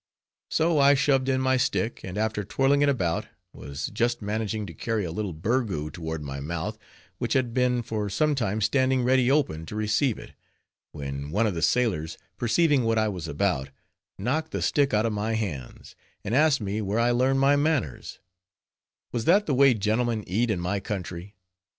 So I shoved in my stick, and after twirling it about, was just managing to carry a little burgoo toward my mouth, which had been for some time standing ready open to receive it, when one of the sailors perceiving what I was about, knocked the stick out of my hands, and asked me where I learned my manners; Was that the way gentlemen eat in my country?